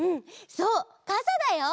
そうかさだよ！